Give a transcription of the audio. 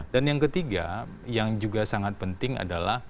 dan yang ketiga yang juga sangat penting adalah